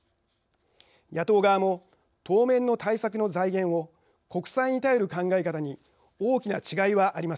野党側も当面の対策の財源を国債に頼る考え方に大きな違いはありません。